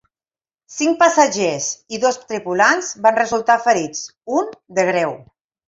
Cinc passatgers i dos tripulants van resultar ferits, un de greu.